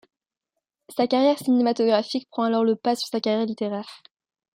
Sa carrière cinématographique prend alors le pas sur sa carrière littéraire.